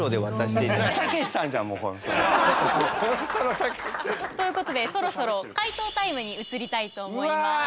ホントのたけしさん。という事でそろそろ解答タイムに移りたいと思います。